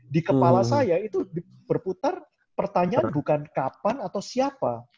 di kepala saya itu berputar pertanyaan bukan kapan atau siapa